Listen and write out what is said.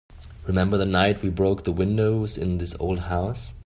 Remember the night we broke the windows in this old house?